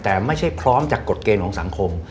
แต่ไม่ใช่พร้อมจากกฎเกณฑ์ของสังคม